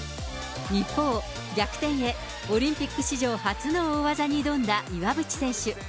一方、逆転へ、オリンピック史上初の大技に挑んだ岩渕選手。